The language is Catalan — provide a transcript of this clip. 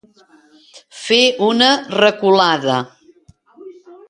Fer una reculada.